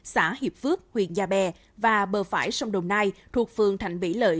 xã hiệp phước huyện gia bè và bờ phải sông đồng nai thuộc phường thành vĩ lợi